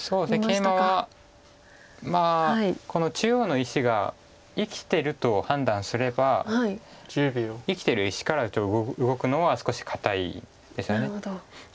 ケイマはまあこの中央の石が生きてると判断すれば生きてる石から動くのは少し堅いですよね。